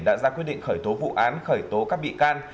đã ra quyết định khởi tố vụ án khởi tố các bị can